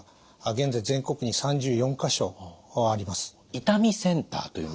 今痛みセンターというんですね。